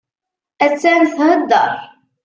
Attan theddeṛ.